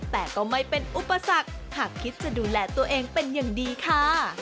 แต่ก็ไม่เป็นอุปสรรคหากคิดจะดูแลตัวเองเป็นอย่างดีค่ะ